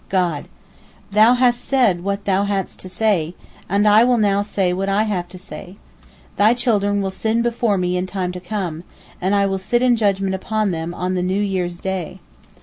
God: "Thou hast said what thou hadst to say, and I will now say what I have to say. Thy children will sin before me in time to come, and I will sit in judgment upon them on the New Year's Day.